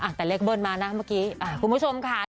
แต่เลขเบิ้ลมานะเมื่อกี้คุณผู้ชมค่ะ